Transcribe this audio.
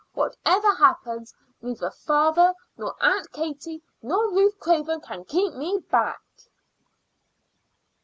Whatever happens, neither father nor Aunt Katie, nor Ruth Craven can keep me back."